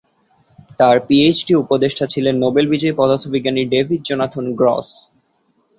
তার পিএইচডি উপদেষ্টা ছিলেন নোবেল বিজয়ী পদার্থবিজ্ঞানী ডেভিড জোনাথন গ্রস।